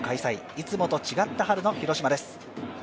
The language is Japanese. いつもと違った春の広島です。